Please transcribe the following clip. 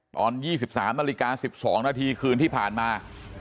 ตอน๒๓นาฬิกา๑๒นาทีคืนที่ผ่านมา